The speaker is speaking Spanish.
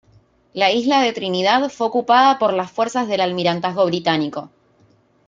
La isla de Trinidad fue ocupada por las fuerzas del Almirantazgo Británico.